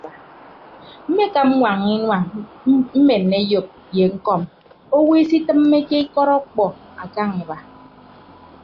Mmekap ñwañña inua mmenne oyop ye ñkọm owo isitịmmeke ikọt okpo akañ iba.